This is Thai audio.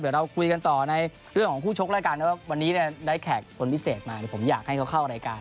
เดี๋ยวเราคุยกันต่อในเรื่องของคู่ชกรายการ